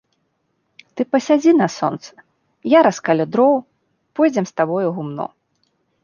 Ты пасядзі на сонцы, я раскалю дроў, пойдзем з табой у гумно.